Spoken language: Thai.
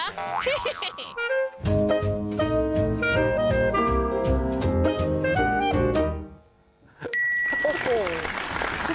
ฮี่ฮี่ฮิ